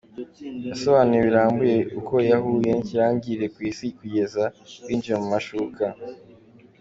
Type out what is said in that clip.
Yasobanuye birambuye uko yahuye n’ikirangirire ku Isi kugeza binjiye mu mashuka.